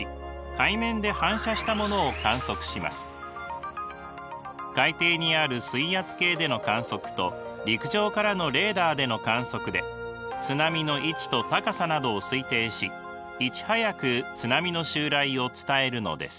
海底にある水圧計での観測と陸上からのレーダーでの観測で津波の位置と高さなどを推定しいち早く津波の襲来を伝えるのです。